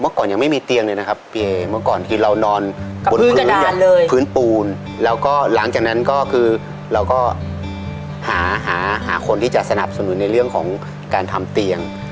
ก่อนยังไม่มีเตียงเลยนะครับพี่เอเมื่อก่อนคือเรานอนบนพื้นปูนแล้วก็หลังจากนั้นก็คือเราก็หาหาคนที่จะสนับสนุนในเรื่องของการทำเตียง